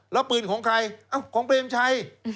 แล้วปืนของใครของเปรมชัย